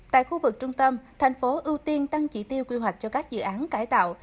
tại khu vực trung tâm thành phố ưu tiên tăng chỉ tiêu quy hoạch cho các dự án cải tạo